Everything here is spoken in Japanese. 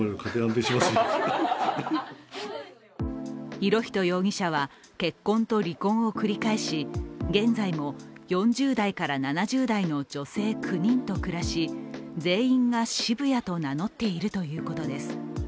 博仁容疑者は結婚と離婚を繰り返し現在も４０代から７０代の女性９人と暮らし全員が渋谷と名乗っているということです。